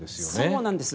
そうなんです。